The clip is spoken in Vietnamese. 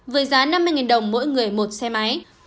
với giá năm mươi đồng mỗi người một xe máy